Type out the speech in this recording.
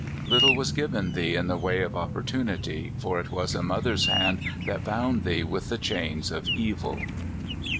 Little was given thee in the way of opportunity, for it was a mother's hand that bound thee with the chains of evil.